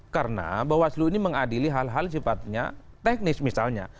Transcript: karena bawaslu ini mengadili hal hal sifatnya teknis misalnya